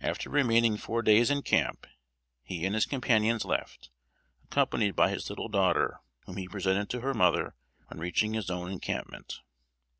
After remaining four days in camp, he and his companions left, accompanied by his little daughter, whom he presented to her mother on reaching his own encampment.